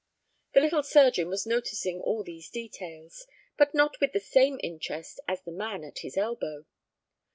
The little surgeon was noticing all these details, but not with the same interest as the man at his elbow.